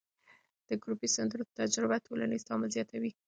د ګروپي سندرو تجربه ټولنیز تعامل زیاتوي.